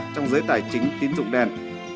trong giới tài chính tín dụng đen